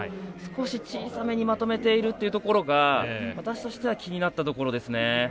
少し小さめにまとめているっていうところが私としては気になったところですね。